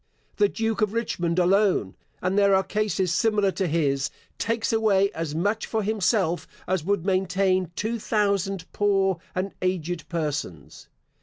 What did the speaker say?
The Duke of Richmond alone (and there are cases similar to his) takes away as much for himself as would maintain two thousand poor and aged persons.